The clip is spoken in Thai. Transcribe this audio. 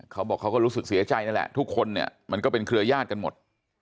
เขาบอกเขาก็รู้สึกเสียใจนั่นแหละทุกคนเนี่ยมันก็เป็นเครือญาติกันหมด